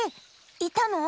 いたの？